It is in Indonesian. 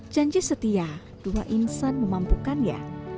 janji setia dua insan memampukan ya